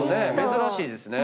珍しいですね。